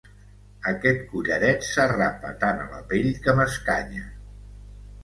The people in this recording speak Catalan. Aquest collaret s'arrapa tant a la pell, que m'escanya.